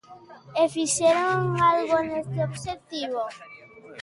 ¿E fixeron algo neste obxectivo?